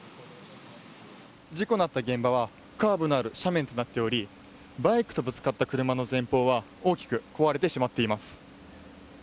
事故のあった現場はカーブのある斜面となっておりバイクとぶつかった車の前方は大きく壊れてしまっています。